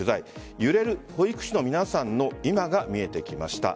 揺れる保育士の皆さんの今が見えてきました。